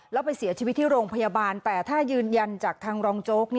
แล้วไปเสียชีวิตที่โรงพยาบาลแต่ถ้ายืนยันจากทางรองโจ๊ก